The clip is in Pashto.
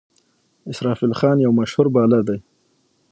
اسرافیل خان یو مشهور بالر دئ.